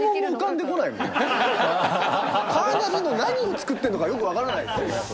カーナビの何を作ってんのかよく分からないですよね。